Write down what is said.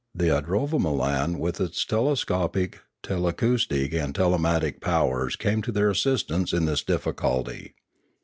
The idrovamolan with its telescopic, telacous tic, and telemagnetic powers came to their assistance in this difficulty.